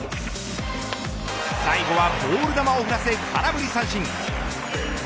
最後はボール球を振らせ空振り三振。